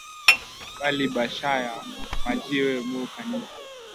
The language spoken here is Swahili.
Bali ba chaya ma jiwe mu kanisa